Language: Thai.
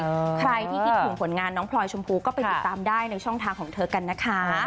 ใครที่คิดถึงผลงานน้องพลอยชมพูก็ไปติดตามได้ในช่องทางของเธอกันนะคะ